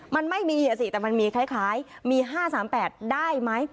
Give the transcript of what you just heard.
มันไม่มีเหรอสิแต่มันมีคล้ายคล้ายมีห้าสามแปดได้ไหม